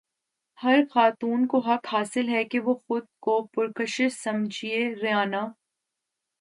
ہر خاتون کو حق حاصل ہے کہ وہ خود کو پرکشش سمجھے ریانا